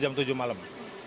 sampai jam tujuh malam